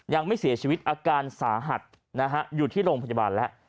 ยังไม่เสียชีวิตอาการสาหัสนะฮะอยู่ที่โรงพยาบาลแล้ว